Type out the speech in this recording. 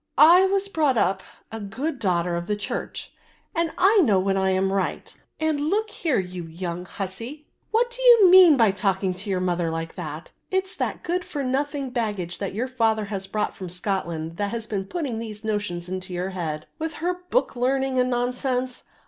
"I was brought up a good daughter of the church, and I know when I am right, and look here, you young hussie, what do you mean by talking to your mother like that? It's that good for nothing baggage, that your father has brought from Scotland, that has been putting these notions into your head, with her book learning and nonsense.